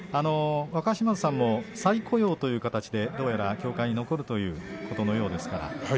若嶋津さんも再雇用という形でどうやら協会に残るということのようです。